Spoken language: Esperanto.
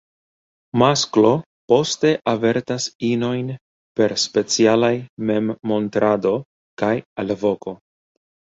Masklo poste avertas inojn per specialaj memmontrado kaj alvoko.